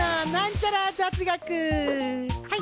はい